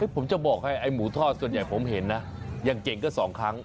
ผมจะบอกให้ไอ้หมูทอดส่วนใหญ่ผมเห็นนะยังเก่งก็๒ครั้ง